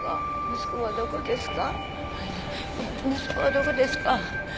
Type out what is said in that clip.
息子はどこですか？